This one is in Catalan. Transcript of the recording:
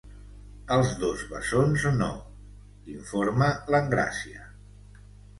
Els dos bessons no –informa l'Engràcia.